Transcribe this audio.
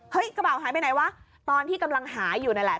กระเป๋าหายไปไหนวะตอนที่กำลังหาอยู่นั่นแหละ